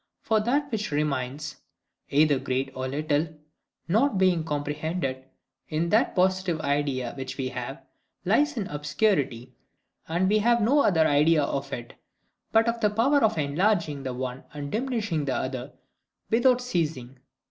For that which remains, either great or little, not being comprehended in that positive idea which we have, lies in obscurity; and we have no other idea of it, but of the power of enlarging the one and diminishing the other, WITHOUT CEASING.